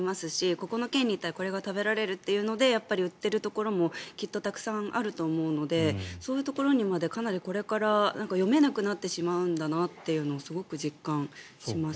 ここの県に行ったらこれが食べられるというので売っているところもきっとたくさんあると思うのでそういうところにまでこれから読めなくなるんだなとすごく実感します。